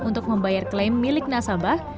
untuk membayar klaim milik nasabah